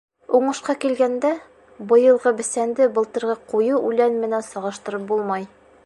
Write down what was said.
Уңышҡа килгәндә, быйылғы бесәнде былтырғы ҡуйы үлән менән сағыштырып булмай.